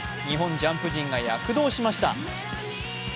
日本ジャンプ陣が躍動しました。